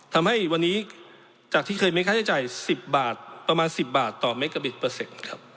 ทำให้วันนี้จากที่เคยมีค่าใช้จ่าย๑๐บาทประมาณ๑๐บาทต่อเมกาบิตเปอร์เซ็นต์ครับ